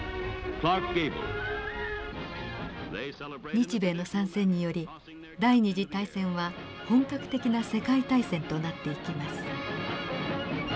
日米の参戦により第二次大戦は本格的な世界大戦となっていきます。